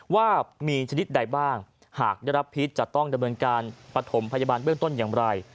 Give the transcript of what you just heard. ว่ามีชนิดใดบ้างหากได้รับพิษจะต้องดำเนินการปฐมพยาบาลเบื้องต้นอย่างไร